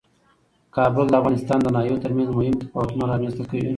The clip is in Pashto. کابل د افغانستان د ناحیو ترمنځ مهم تفاوتونه رامنځ ته کوي.